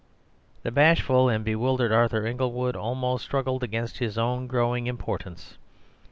The bashful and bewildered Arthur Inglewood almost struggled against his own growing importance.